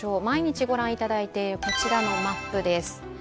毎日御覧いただいているこちらのマップです。